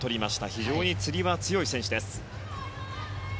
非常につり輪に強い選手です。